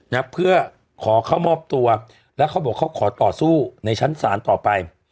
นะเพื่อขอเข้ามอบตัวแล้วเขาบอกเขาขอต่อสู้ในชั้นศาลต่อไป